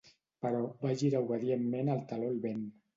Però va girar obedientment el taló al vent.